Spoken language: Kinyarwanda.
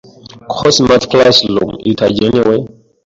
ko Smart Classroom itagenewe